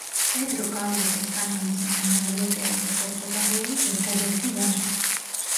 პედრო კარლოს ესპანელისა და მარია ტერეზა პორტუგალიელის ერთადერთი ვაჟი.